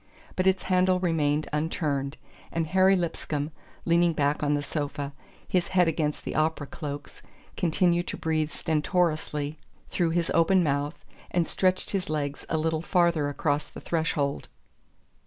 But its handle remained unturned, and Harry Lipscomb, leaning back on the sofa, his head against the opera cloaks, continued to breathe stentorously through his open mouth and stretched his legs a little farther across the threshold...